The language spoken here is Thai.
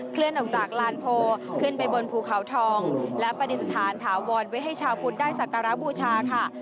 เลื่อนออกจากลานโพขึ้นไปบนภูเขาทองและปฏิสถานถาวรไว้ให้ชาวพุทธได้สักการะบูชาค่ะ